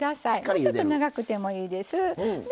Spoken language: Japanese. もうちょっと長くてもいいです。